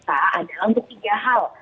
itu kalau bisa adalah untuk tiga hal